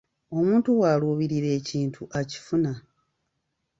Omuntu bw’alubirira ekintu akifuna.